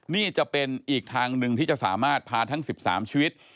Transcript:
นี่จะเป็นอีกทางหนึ่งที่จะสามารถพาทั้ง๑๓ชีวิต